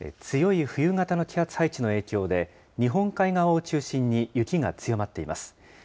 強い冬型の気圧配置の影響で、日本海側を中心に雪が強まっています。